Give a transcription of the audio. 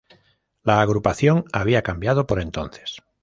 La agrupación había cambiado por entonces.